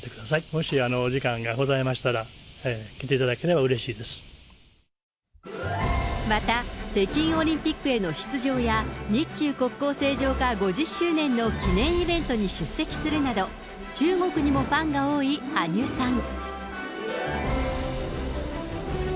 もし、お時間がございましたら、また、北京オリンピックへの出場や、日中国交正常化５０周年の記念イベントに出席するなど、中国にもファンが多い羽生さん。